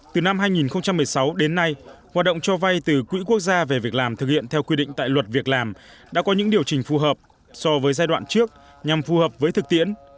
từ năm hai nghìn một mươi sáu đến nay hoạt động cho vay từ quỹ quốc gia về việc làm thực hiện theo quy định tại luật việc làm đã có những điều chỉnh phù hợp so với giai đoạn trước nhằm phù hợp với thực tiễn